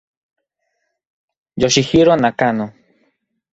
Yoshihiro Nakano